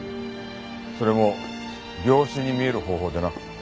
それも病死に見える方法でな。